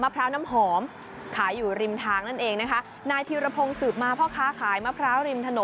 พร้าวน้ำหอมขายอยู่ริมทางนั่นเองนะคะนายธีรพงศ์สืบมาพ่อค้าขายมะพร้าวริมถนน